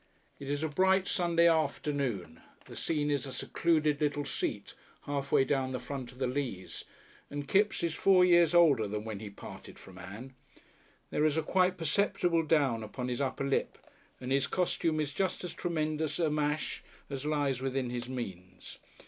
It is a bright Sunday afternoon; the scene is a secluded little seat half way down the front of the Leas, and Kipps is four years older than when he parted from Ann. There is a quite perceptible down upon his upper lip, and his costume is just as tremendous a "mash" as lies within his means.